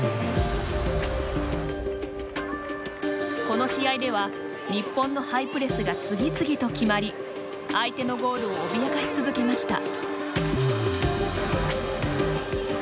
この試合では日本のハイプレスが次々と決まり相手のゴールを脅かし続けました。